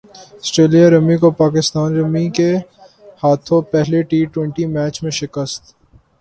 سٹریلیا رمی کو پاکستان رمی کے ہاتھوں پہلے ٹی ٹوئنٹی میچ میں شکست